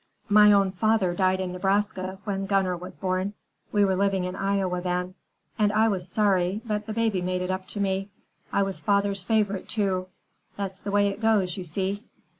My own father died in Nebraska when Gunner was born,—we were living in Iowa then,—and I was sorry, but the baby made it up to me. I was father's favorite, too. That's the way it goes, you see."